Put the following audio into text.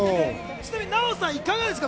ちなみにナヲさん、いかがですか？